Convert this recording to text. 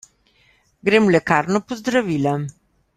Grem v lekarno po zdravila.